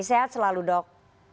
sehat selalu dok